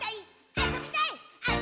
「あそびたいっ！」